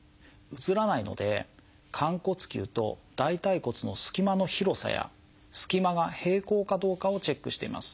写らないので寛骨臼と大腿骨の隙間の広さや隙間が平行かどうかをチェックしています。